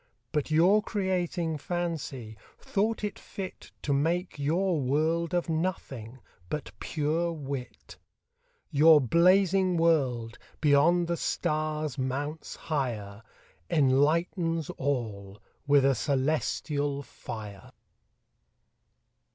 But your Creating Fancy, thought it fit To make your World of Nothing, but pure Wit. Your Blazing World, beyond the Stars mounts higher, Enlightens all with a Cœlestial Fier. William Newcastle.